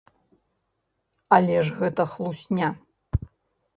Але ж гэта хлусня.